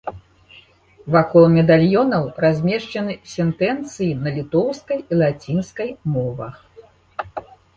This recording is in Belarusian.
Вакол медальёнаў размешчаны сентэнцыі на літоўскай і лацінскай мовах.